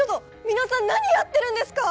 皆さん何やってるんですか！？